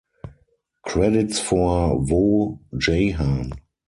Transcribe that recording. Credits for "Woh Jahan".